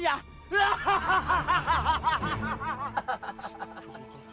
assalamualaikum warahmatullahi wabarakatuh